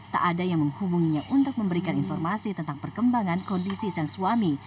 tak ada yang menghubunginya untuk memberikan informasi tentang perkembangan kondisi sang suami